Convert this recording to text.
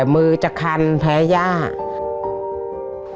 มือจะคันแพ้ย่า